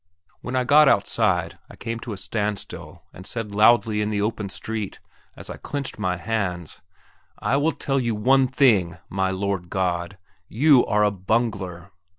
When I got outside, I came to a standstill and said loudly in the open street, as I clenched my hands: "I will tell you one thing, my good Lord God, you are a bungler!"